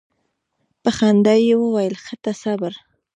په خندا یې وویل ښه ته صبر.